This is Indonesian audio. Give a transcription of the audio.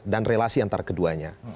dan relasi antara keduanya